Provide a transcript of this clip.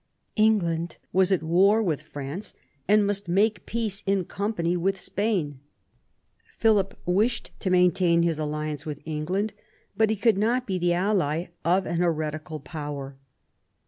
England was at war with France and must make peace in company with Spain. Philip wished to maintain his alliance with England ; but he could not be the ally of an heretical Power.